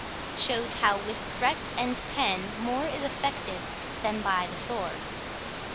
Shows how with Threat and Pen more is effected than by the Sword.